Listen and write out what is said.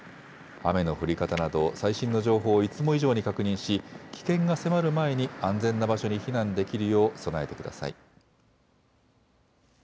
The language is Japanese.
雨の降り方など最新の情報をいつも以上に確認し危険が迫る前に安全な場所に避難できるよう備えてください。